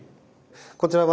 こちらは